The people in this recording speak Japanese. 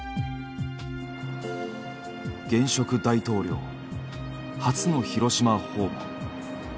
現職大統領初の広島訪問。